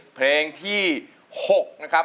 เพลงที่๖นะครับ